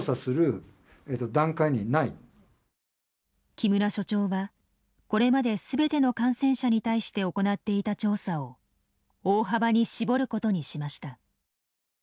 木村所長はこれまで全ての感染者に対して行っていた調査を大幅に絞ることにしました。